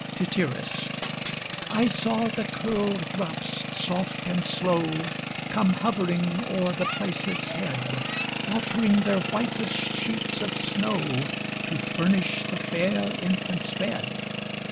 Tityrus. I saw the curl'd drops, soft and slow Come hovering o'er the place's head, Offring their whitest sheets of snow, To furnish the fair infant's bed.